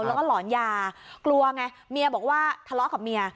แล้วก็หลอนยากลัวไงเมียบอกว่าทะเลาะกับเมีย